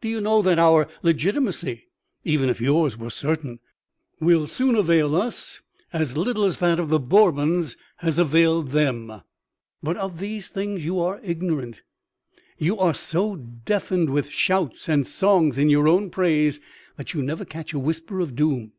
Do you know that our legitimacy (even if yours were certain) will soon avail us as little as that of the Bourbons has availed them? Of these things you are ignorant: you are so deafened with shouts and songs in your own praise that you never catch a whisper of doom.